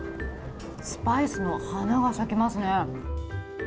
スパイスの花が咲きますね。